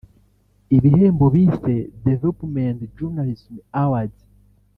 ibihembo bise Development Journalism Awards